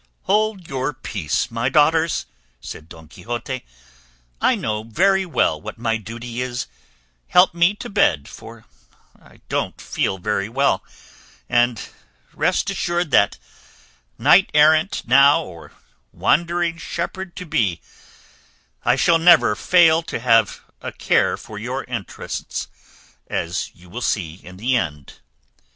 "Hold your peace, my daughters," said Don Quixote; "I know very well what my duty is; help me to bed, for I don't feel very well; and rest assured that, knight errant now or wandering shepherd to be, I shall never fail to have a care for your interests, as you will see in the end."